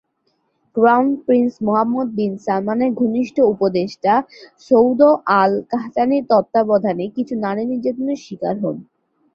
Crown prince Mohammed bin সালমানের ঘনিষ্ঠ উপদেষ্টা সৌদ আল-কাহতানির তত্ত্বাবধানে কিছু নারী নির্যাতনের শিকার হন।